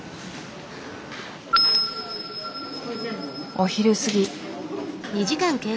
お昼過ぎ。